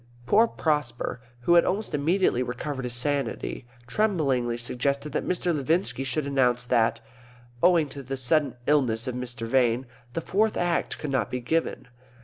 Poor Prosper, who had almost immediately recovered his sanity, tremblingly suggested that Mr. Levinski should announce that, owing to the sudden illness of Mr. Vane the Fourth Act could not be given.